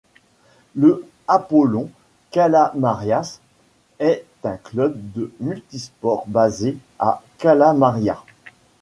Le Apollon Kalamarias est un club de multisport basé à Kalamaria.